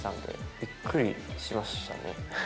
びっくりしましたね。